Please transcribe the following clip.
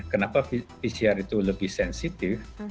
kenapa pcr itu lebih sensitif